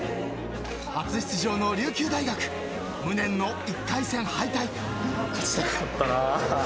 ［初出場の琉球大学無念の１回戦敗退］